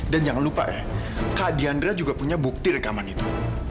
dan jangan lupa ya kak diandra juga punya bukti rekaman itu